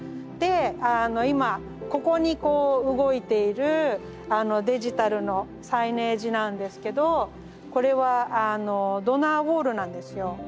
で今ここにこう動いているデジタルのサイネージなんですけどこれはドナーウォールなんですよ。